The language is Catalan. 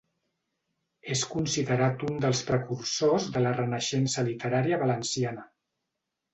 És considerat un dels precursors de la Renaixença literària valenciana.